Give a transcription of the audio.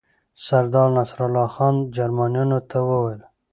سردار نصرالله خان جرمنیانو ته وویل.